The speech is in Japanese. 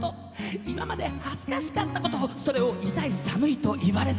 「今まで恥ずかしかった事それを痛い寒いと言われた事」